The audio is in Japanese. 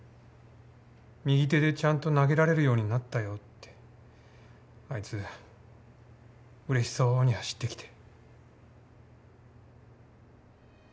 右手でちゃんと投げられるようになったよってあいつうれしそうに走ってきて。